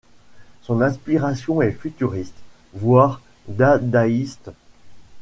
Son inspiration est futuriste, voire dadaïste.